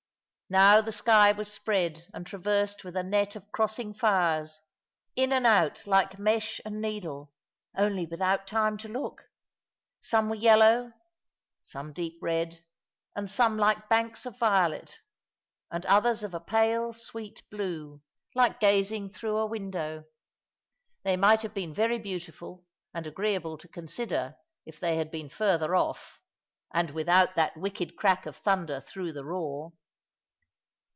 Now the sky was spread and traversed with a net of crossing fires, in and out like mesh and needle, only without time to look. Some were yellow, some deep red, and some like banks of violet, and others of a pale sweet blue, like gazing through a window. They might have been very beautiful, and agreeable to consider, if they had been further off, and without that wicked crack of thunder through the roar.